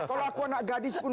kalau aku anak gadis